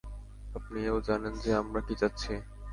আপনি এও জানেন যে, আমরা কি চাচ্ছি।